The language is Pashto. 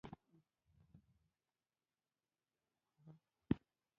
سړي پسې غږ کړ!